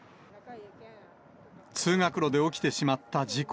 通学路で起きてしまった事故。